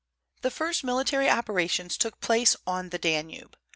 The first military operations took place on the Danube.